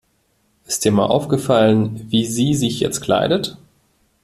Ist dir mal aufgefallen, wie sie sich jetzt kleidet?